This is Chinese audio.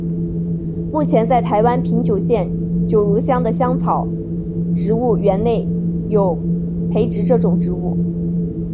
目前在台湾屏东县九如乡的香药草植物园区内有培植这种植物。